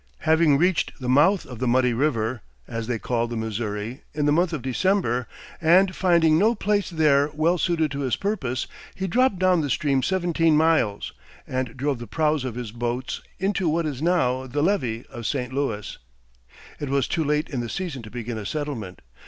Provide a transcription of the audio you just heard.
Having reached the mouth of the Muddy River (as they called the Missouri) in the month of December, and finding no place there well suited to his purpose, he dropped down the stream seventeen miles, and drove the prows of his boats into what is now the Levee of St. Louis. It was too late in the season to begin a settlement.